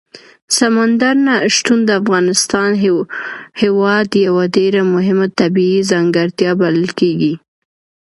سمندر نه شتون د افغانستان هېواد یوه ډېره مهمه طبیعي ځانګړتیا بلل کېږي.